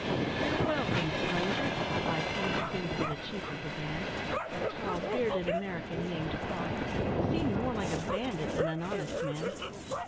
"You're welcome, stranger," replied he who seemed to be the chief of the band a tall, bearded American, named Croft, who seemed more like a bandit than an honest man.